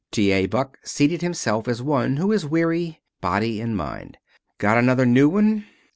T. A. Buck seated himself as one who is weary, body and mind. "Got another new one?"